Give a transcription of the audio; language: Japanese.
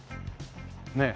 ねえ。